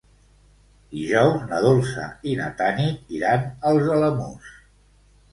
Dijous na Dolça i na Tanit iran als Alamús.